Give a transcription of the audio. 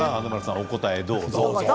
お答えをどうぞ。